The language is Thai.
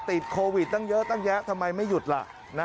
ติดโควิดตั้งเยอะตั้งแยะทำไมไม่หยุดล่ะ